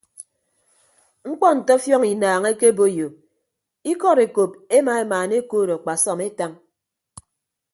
Mkpọ nte ọfiọñ inaañ ekeboiyo ikọd ekop ema emaana ekood akpasọm etañ.